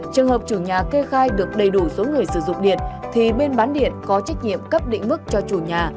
trường hợp chủ nhà kê khai được đầy đủ số người sử dụng điện thì bên bán điện có trách nhiệm cấp định mức cho chủ nhà